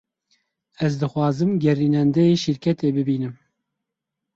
Ez dixwazim gerînendeyê şirketê bibînim.